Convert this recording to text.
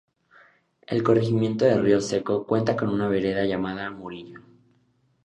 El corregimiento de Río Seco cuenta con una vereda, llamada Murillo.